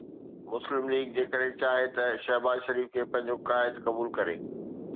مسلم ليگ جيڪڏهن چاهي ته شهباز شريف کي پنهنجو قائد قبول ڪري.